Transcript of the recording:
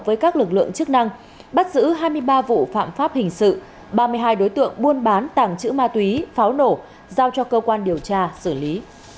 với các lực lượng chức năng bắt giữ hai mươi ba vụ phạm pháp hình sự ba mươi hai đối tượng buôn bán tàng trữ ma túy pháo nổ giao cho cơ quan điều tra xử lý